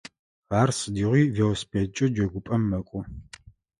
Ар сыдигъуи велосипедкӏэ джэгупӏэм мэкӏо.